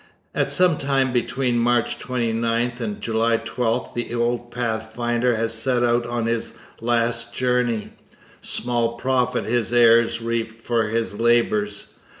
At some time between March 29 and July 12 the old pathfinder had set out on his last journey. Small profit his heirs reaped for his labours.